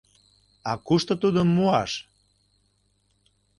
А кушто тудым муаш?